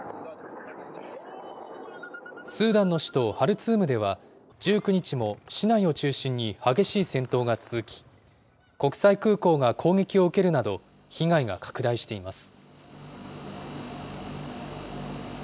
スーダンの首都ハルツームでは、１９日も市内を中心に激しい戦闘が続き、国際空港が攻撃を受けるなど、被害が拡大しています。